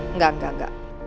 enggak enggak enggak